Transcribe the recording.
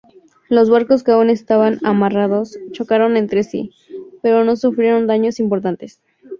Los barcos que aún estaban amarrados chocaron entre sí, pero no sufrieron daños importantes.